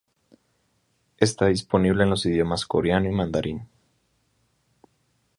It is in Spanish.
Está disponible en los idiomas Coreano y Mandarín.